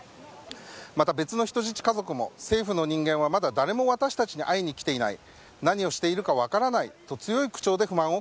また、別の人質家族も政府の人間は、まだ誰も私たちに会いに来ていない。